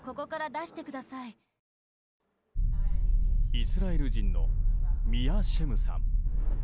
イスラエル人のミア・シェムさん。